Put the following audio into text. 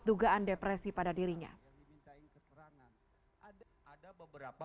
dugaan depresi pada dirinya